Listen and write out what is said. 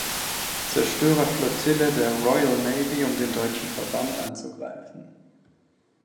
Zerstörerflottille der Royal Navy, um den deutschen Verband anzugreifen.